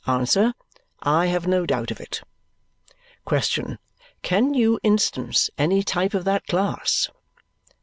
Answer: I have no doubt of it. Question: Can you instance any type of that class?